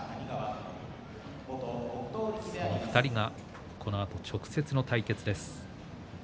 その２人がこのあと直接の対決です。